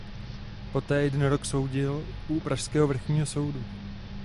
Poté jeden rok soudil u pražského vrchního soudu.